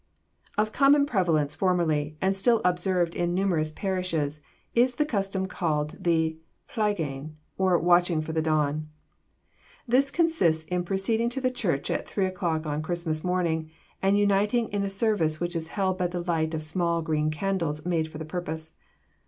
Of common prevalence formerly, and still observed in numerous parishes, is the custom called the Plygain, or watching for the dawn. This consists in proceeding to the church at three o'clock on Christmas morning, and uniting in a service which is held by the light of small green candles made for the purpose.